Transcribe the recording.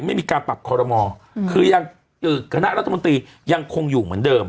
ไม่มีการปรับคอรมอคือยังคณะรัฐมนตรียังคงอยู่เหมือนเดิม